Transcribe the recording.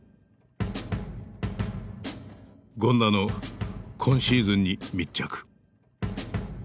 権田の今シーズンに密着。